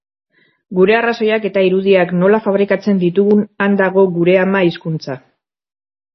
Gure arrazoiak eta irudiak nola fabrikatzen ditugun han dago gure ama hizkuntza.